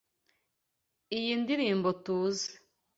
Iyi ndirimbo tuzi.